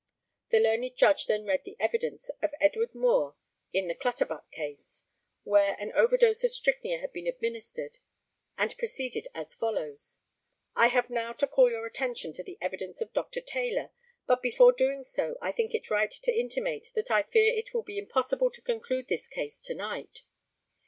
[The learned Judge then read the evidence of Edward Moore in the Clutterbuck case, where an over dose of strychnia had been administered; and proceeded as follows: ] I have now to call your attention to the evidence of Dr. Taylor, but before doing so I think it right to intimate that I fear it will be impossible to conclude this case to night.